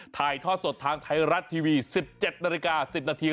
ถ่ายทอดสดทางไทยรัฐทีวี๑๗นาฬิกา๑๐นาที